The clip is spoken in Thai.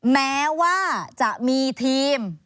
แม้ว่าจะมีทีม